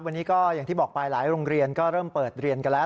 วันนี้ก็อย่างที่บอกไปหลายโรงเรียนก็เริ่มเปิดเรียนกันแล้ว